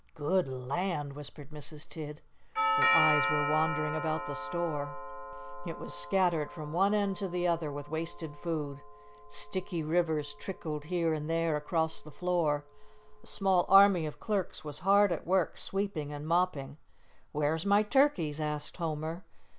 "Good land!" whispered Mrs. Tidd. Her eyes were wandering about the store. It was scattered from one end to the other with wasted food. Sticky rivers trickled here and there across the floor. A small army of clerks was hard at work sweeping and mopping. "Where's my turkeys?" asked Homer.